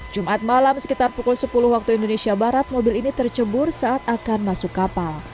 jumat malam sekitar pukul sepuluh waktu indonesia barat mobil ini tercebur saat akan masuk kapal